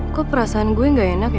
kok perasaan gue gak enak ya